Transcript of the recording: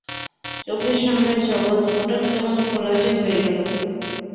চোখের সামনের জগৎ হঠাৎ কেমন ঘোলাটে হয়ে গেল।